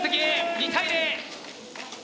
２対０。